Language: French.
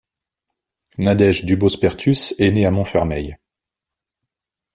Nadège Dubospertus est née à Montfermeil.